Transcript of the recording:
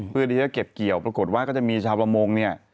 เพื่อที่จะเก็บเกี่ยวปรากฏว่าก็จะมีชาวประมงเนี่ย